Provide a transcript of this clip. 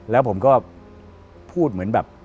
แล้วผมก็พูดเหมือนแบบ